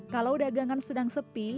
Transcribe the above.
kalau dagangan sedang sepi